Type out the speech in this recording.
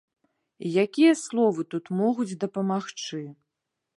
І якія словы тут могуць дапамагчы?